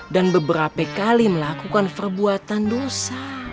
dan beberapa kali melakukan perbuatan dosa